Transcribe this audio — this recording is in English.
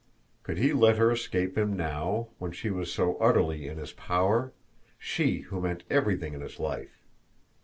Could he let her escape him now when she was so utterly in his power, she who meant everything in his life!